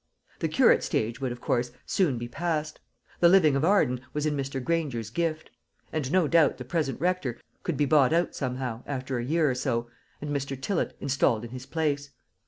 The curate stage would, of course, soon be past. The living of Arden was in Mr. Granger's gift; and no doubt the present rector could be bought out somehow, after a year or so, and Mr. Tillott installed in his place.